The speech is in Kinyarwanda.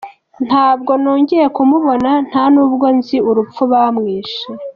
Ntabwo nongeye kumubona nta n’ubwo nzi urupfu bamwishe.